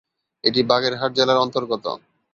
এটি বাগেরহাট জেলার অন্তর্গত।